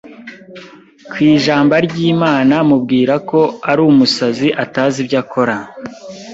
ku ijamba ry’Imana mubwira ko ari umusazi atazi ibyo akora